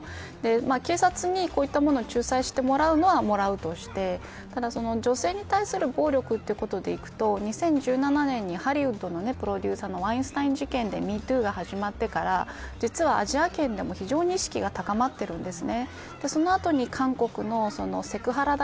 警察に仲裁してもらうとして女性に対する暴力ということでいうと２０１７年にハリウッドのプロデューサのワインスタイン事件でＭｅＴｏｏが始まってから実はアジア圏でも非常に意識が高まっているんです。